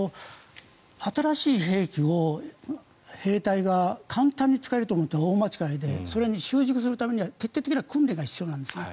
新しい兵器を兵隊が簡単に使えると思ったら大間違いでそれに習熟するためには徹底的な訓練が必要なんですね。